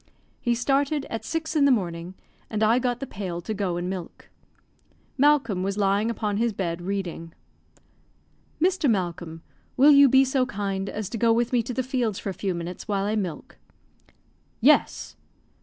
He started at six in the morning, and I got the pail to go and milk. Malcolm was lying upon his bed, reading. "Mr. Malcolm, will you be so kind as to go with me to the fields for a few minutes while I milk?" "Yes!"